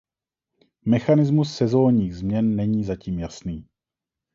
Mechanismus sezónních změn není zatím jasný.